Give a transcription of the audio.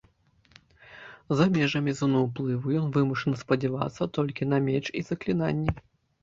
За межамі зоны ўплыву ён вымушаны спадзявацца толькі на меч і заклінанні.